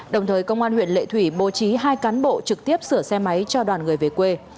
đồng thời công an huyện lệ thủy bố trí hai cán bộ trực tiếp sửa xe máy cho đoàn người về quê